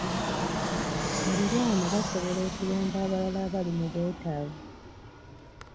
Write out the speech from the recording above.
Baliraanwa basobola okuyamba abalala abali mu bwetaavu.